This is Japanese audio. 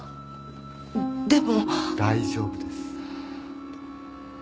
大丈夫です。